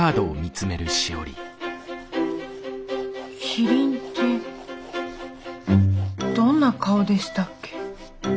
キリンってどんな顔でしたっけ？